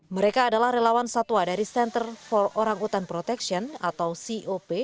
mereka adalah relawan satwa dari center for orangutan protection atau cop